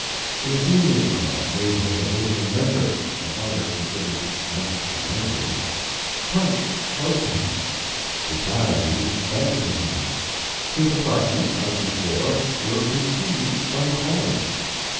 The Athenaeum Club made him a visiting member (an honor considered next to knighthood); Punch quoted him; societies banqueted him; his apartments, as before; were besieged by callers.